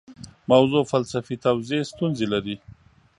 موضوع فلسفي توضیح ستونزې لري.